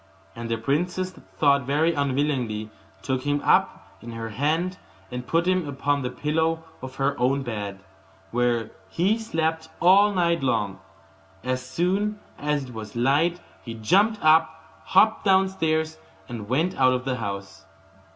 And the princess, though very unwilling, took him up in her hand, and put him upon the pillow of her own bed, where he slept all night long. As soon as it was light he jumped up, hopped downstairs, and went out of the house.